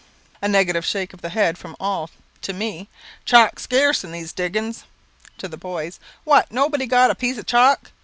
A negative shake of the head from all. To me: "Chalk's scarce in these diggings." To the boys: "What, nobody got a piece of chalk?